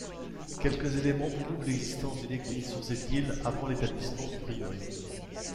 Quelques éléments prouvent l'existence d'une église sur cette île avant l'établissement du prieuré.